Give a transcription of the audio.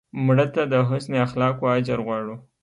مړه ته د حسن اخلاقو اجر غواړو